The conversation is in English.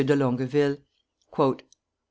de Longueville." "Me, M.